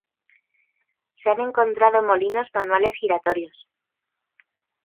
Se han encontrado molinos manuales giratorios.